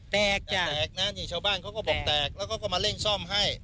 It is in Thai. แตกจ้ะแตกนะนี่ชาวบ้านเขาก็บอกแตกแล้วเขาก็มาเร่งซ่อมให้